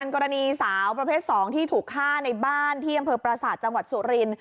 กรณีสาวประเภท๒ที่ถูกฆ่าในบ้านที่อำเภอประสาทจังหวัดสุรินทร์